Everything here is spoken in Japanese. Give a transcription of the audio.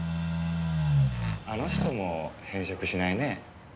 あの人も変色しないね。